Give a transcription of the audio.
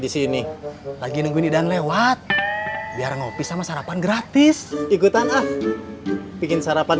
disini lagi nungguin idahan lewat biar ngopi sama sarapan gratis ikutan ah bikin sarapan